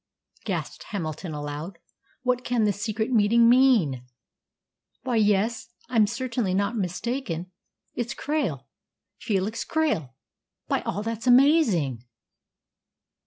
gasped Hamilton aloud. "What can this secret meeting mean? Why yes, I'm certainly not mistaken it's Krail Felix Krail, by all that's amazing!"